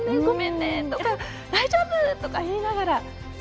ごめんね！とか大丈夫！とか言いながら。